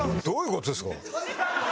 どういう事ですか？